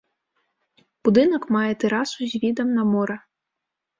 Будынак мае тэрасу з відам на мора.